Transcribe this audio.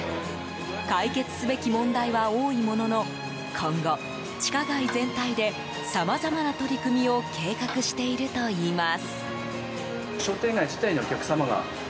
解決すべき問題は多いものの今後、地下街全体でさまざまな取り組みを計画しているといいます。